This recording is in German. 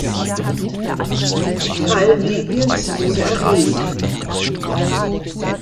Der Fall Libyens wurde erwähnt.